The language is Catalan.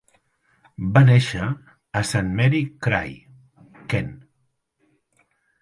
Va néixer a Saint Mary Cray, Kent.